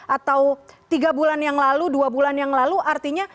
atau tiga bulan yang lalu dua bulan yang lalu artinya